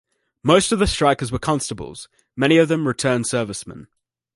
Most of the strikers were constables, many of them returned servicemen.